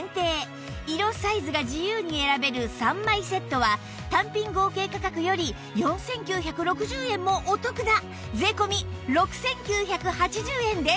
色サイズが自由に選べる３枚セットは単品合計価格より４９６０円もお得な税込６９８０円です